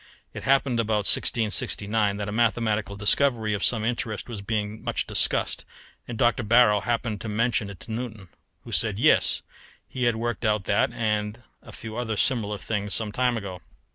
It happened, about 1669, that a mathematical discovery of some interest was being much discussed, and Dr. Barrow happened to mention it to Newton, who said yes, he had worked out that and a few other similar things some time ago.